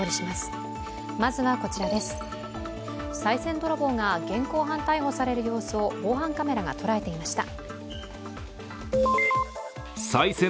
さい銭泥棒が現行犯逮捕される様子を防犯カメラがとらえていました。